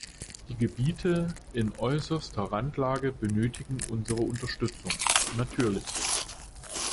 Die Gebiete in äußerster Randlage benötigen unsere Unterstützung – natürlich.